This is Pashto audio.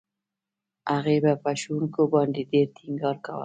هغې به په ښوونکو باندې ډېر ټينګار کاوه.